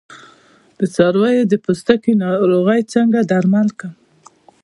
د څارویو د پوستکي ناروغۍ څنګه درمل کړم؟